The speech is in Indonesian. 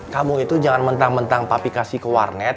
kamu itu jangan mentang mentang papi kasih ke warnet